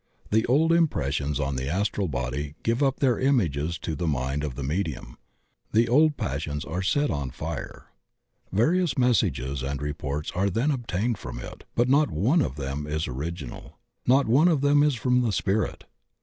The old impressions on the astral body give up their images to the mind of the medium, the old passions are set on fire. Various messages and reports are then obtained from it, but not one of them is origi nal; not one is from the spirit.